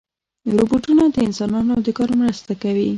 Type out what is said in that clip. روبوټونه د انسانانو د کار مرسته کوي.